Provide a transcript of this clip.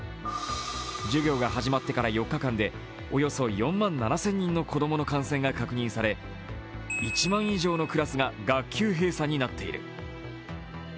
授業が始まってから４日間でおよそ４万７０００人の子供が確認され、１万以上のクラスが学級閉鎖になっている。